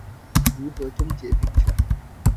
如何終結貧窮？